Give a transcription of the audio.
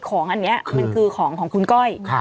ของอันนี้มันคือของของคุณก้อย